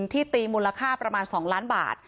ที่ตีมูลค่าประมาณ๒ล้านบาท